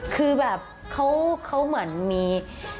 คือแบบเขาเหมือนมี